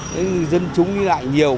nên dân chúng đi lại nhiều